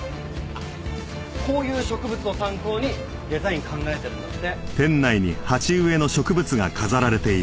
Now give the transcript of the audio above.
こういう植物を参考にデザイン考えてるんだって。